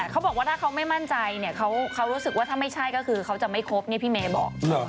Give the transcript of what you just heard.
เขาบอกว่าถ้าเขาไม่มั่นใจเนี่ยเขารู้สึกว่าถ้าไม่ใช่ก็คือเขาจะไม่ครบพี่เมย์บอก